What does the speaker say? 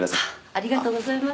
ありがとうございます。